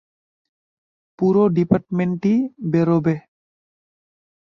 পুরো ডিপার্টমেন্টই বেরোবে।